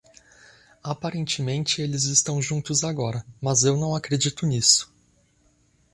Aparentemente eles estão juntos agora, mas eu não acredito nisso.